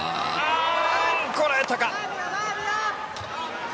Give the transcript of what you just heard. こらえたか。